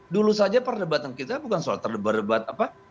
dulu saja perdebatan kita bukan soal terdebat debat apa